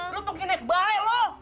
lu pengen naik balai lu